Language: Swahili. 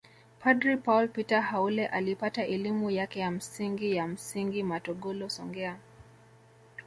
Padre Paul Peter Haule alipata elimu yake ya msingi shule ya msingi matogolo songea